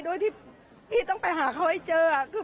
โดยที่พี่ต้องไปหาเขาให้เจอ